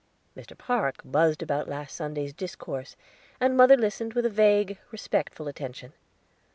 Mr. Park buzzed about the last Sunday's discourse, and mother listened with a vague, respectful attention.